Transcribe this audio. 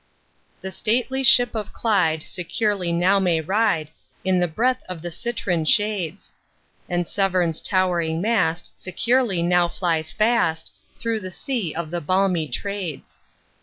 The stately ship of Clyde securely now may ride, In the breath of the citron shades; And Severn's towering mast securely now flies fast, Through the sea of the balmy Trades.